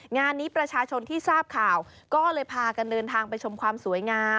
งานนี้ประชาชนที่ทราบข่าวก็เลยพากันเดินทางไปชมความสวยงาม